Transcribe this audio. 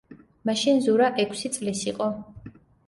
მაშინ ზურა ექვსი წლის იყო.